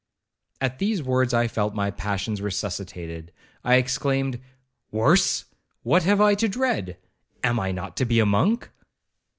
At these words I felt my passions resuscitated,—I exclaimed, 'Worse! what have I to dread?—am I not to be a monk?'